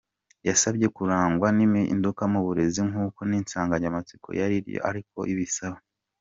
Yabasabye kurangwa n’impinduka mu burezi nk’uko n’insanganyamatsiko yaryo ariko ibisaba.